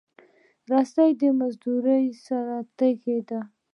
رسۍ د مزدور سره نږدې ده.